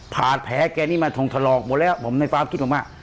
แผลแกนี่มาทงถลอกหมดแล้วผมในฟาร์มคิดออกมา